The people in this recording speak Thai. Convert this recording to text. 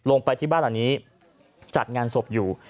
ลงไปที่บ้านหลังนี้จัดงานศพอยู่